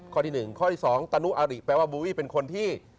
ข้อที่๑ข้อที่๒ตนุอาริแปลว่าบูวี่เป็นคนที่